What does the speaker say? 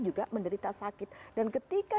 juga menderita sakit dan ketika